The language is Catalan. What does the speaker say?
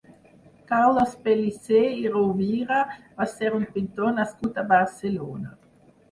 Carles Pellicer i Rouviere va ser un pintor nascut a Barcelona.